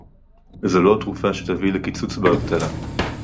זו לא התרופה שתביא לקיצוץ באבטלה